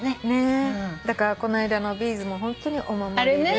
だからこの間のビーズもホントにお守りで。